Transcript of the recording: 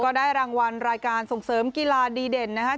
ได้รางวัลรายการส่งเสริมกีฬาดีเด่นนะครับ